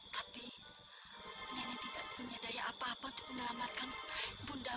tapi nenek tidak punya daya apa apa untuk menyelamatkan bunda